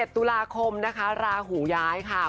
๑ตุลาคมนะคะราหูย้ายค่ะ